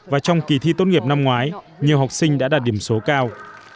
và trong kỳ thi tốt nghiệp năm ngoái nhiều học sinh đã đạt điểm số cao